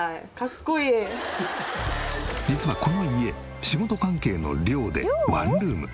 実はこの家仕事関係の寮でワンルーム。